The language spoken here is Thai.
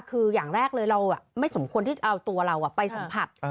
คืออย่างแรกเลยเราไม่สมควรที่จะเอาตัวเราไปสัมผัส